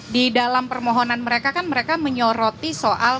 di dalam permohonan mereka kan mereka menyoroti soal